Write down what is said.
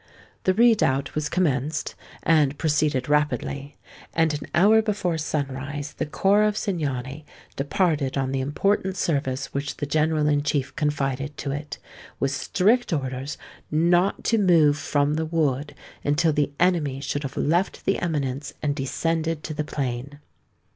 The redoubt was commenced, and proceeded rapidly; and an hour before sunrise the corps of Cingani departed on the important service which the General in Chief confided to it, with strict orders not to move from the wood until the enemy should have left the eminence and descended to the plain.